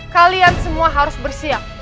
kalian semua harus bersiap